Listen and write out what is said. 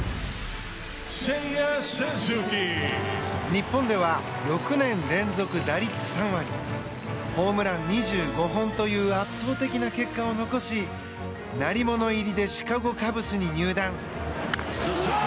日本では６年連続打率３割ホームラン２５本という圧倒的な結果を残し鳴り物入りでシカゴ・カブスに入団。